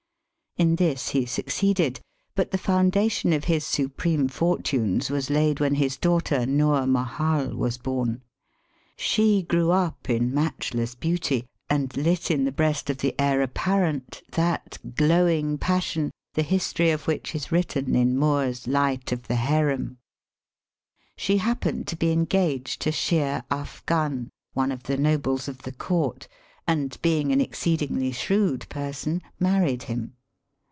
In this he succeeded, but the foun dation of his supreme fortunes was laid when his daughter Noor Mahal was born. She Digitized by VjOOQIC 282 EAST BY WEST. grew up in matchless beauty, and lit in the breast of the heir apparent that glowing passion the history of which is written^ in Moore's ^' Light of the Harem." She happened to be engaged to Sheer Afgan, one of the nobles of the court, and being an exceedingly shrewd person married him.